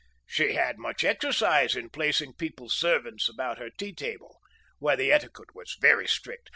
She had much exercise in placing people's servants about her tea table, where the etiquette was very strict.